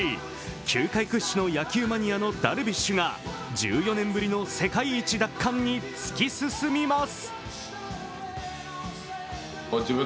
球界屈指の野球マニアのダルビッシュが１４年ぶりの世界一奪還に突き進みます。